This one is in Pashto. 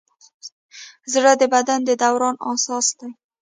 زړه د بدن د دوران اساس دی.